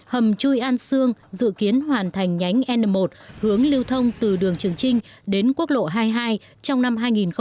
hầm chui an sương dự kiến hoàn thành nhánh n một hướng lưu thông từ đường trường trinh đến quốc lộ hai mươi hai trong năm hai nghìn hai mươi